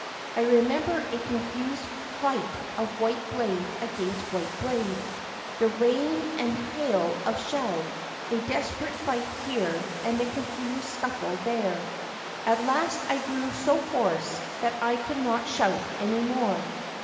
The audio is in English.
I remember a confused fight of white blade against white blade, the rain and hail of shell, a desperate fight here and a confused scuffie there. At last I grew so hoarse that I could not shout any more.